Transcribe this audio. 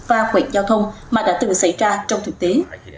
và quẹt giao thông mà đã từng xảy ra trong thực tế